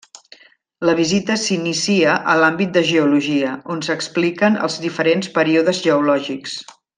La visita s'inicia a l'àmbit de Geologia, on s'expliquen els diferents períodes geològics.